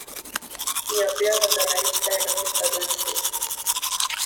He appears on the right side of the southern face.